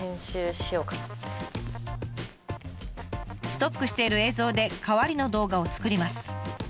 ストックしている映像で代わりの動画を作ります。